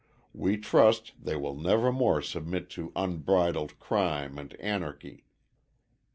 We trust they will never more submit to unbridled crime and anarchy.